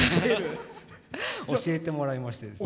教えてもらいました。